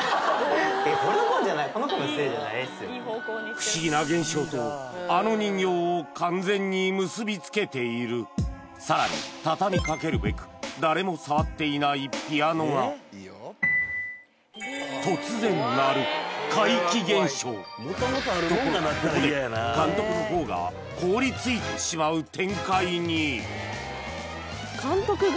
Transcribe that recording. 不思議な現象とあの人形を完全に結びつけているさらにたたみかけるべく誰も触っていないピアノがところがここで監督の方が凍りついてしまう展開に監督が？